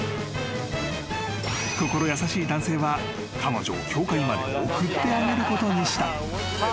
［心優しい男性は彼女を教会まで送ってあげることにした］